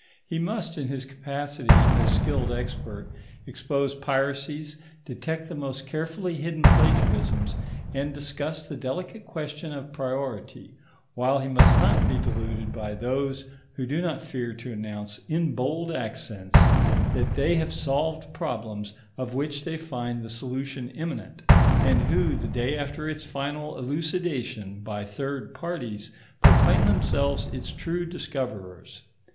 He must, in his capacity as skilled expert, expose piracies, detect the most carefully hidden plagiarisms, and discuss the delicate question of priority; while he must not be deluded by those who do not fear to announce, in bold accents, that they have solved problems of which they find the solution imminent, and who, the day after its final elucidation by third parties, proclaim themselves its true discoverers.